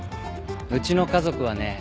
うちの家族はね